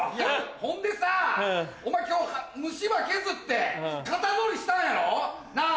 ほんでさお前今日虫歯削って型取りしたんやろ？なぁ？